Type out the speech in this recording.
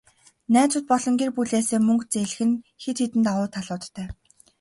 Найзууд болон гэр бүлээсээ мөнгө зээлэх нь хэд хэдэн давуу талуудтай.